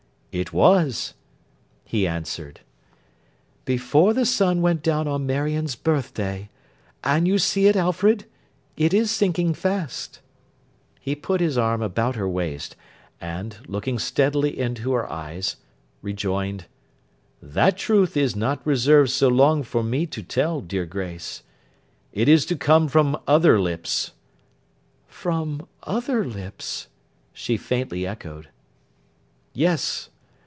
'It was,' he answered. 'Before the sun went down on Marion's birth day. And you see it, Alfred? It is sinking fast.' He put his arm about her waist, and, looking steadily into her eyes, rejoined: 'That truth is not reserved so long for me to tell, dear Grace. It is to come from other lips.' 'From other lips!' she faintly echoed. 'Yes.